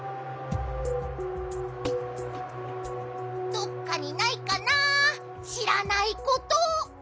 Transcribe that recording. どっかにないかなしらないこと。